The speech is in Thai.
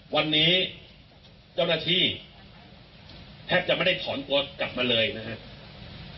วันนี้เจ้าหน้าที่แทบจะไม่ได้ถอนตัวกลับมาเลยนะครับ